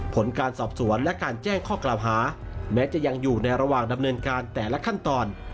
ผลการสอบสวนและการแจ้งข้อกล่าวหาแม้จะยังอยู่ในระหว่างดำเนินการแต่ละขั้นตอน